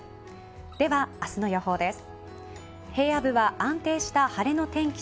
では、明日の予報です。